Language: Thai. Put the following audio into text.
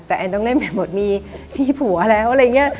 แต่แอนต้องเล่นไปหมดมีพี่ผัวแล้วอะไรอย่างนี้